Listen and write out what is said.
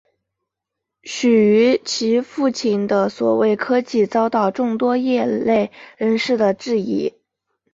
徐与其父亲的所谓科技遭到众多业内人士的质疑。